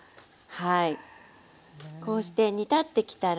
はい。